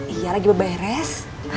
iya lagi beberes